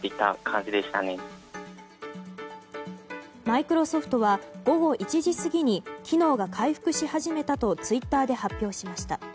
マイクロソフトは午後１時過ぎに機能が回復し始めたとツイッターで発表しました。